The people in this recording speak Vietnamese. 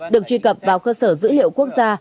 được truy cập vào cơ sở dữ liệu quốc gia